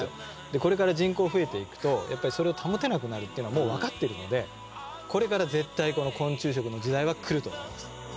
これから人口増えていくとやっぱりそれを保てなくなるというのはもう分かっているのでこれから絶対この昆虫食の時代は来ると思います。